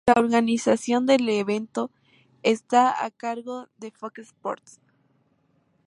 La organización del evento esta a cargo de Fox Sports.